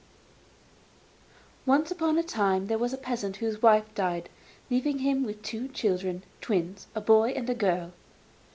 Once upon a time there was a peasant whose wife died, leaving him with two children twins a boy and a girl.